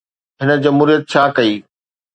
هن جمهوريت ڇا ڪئي؟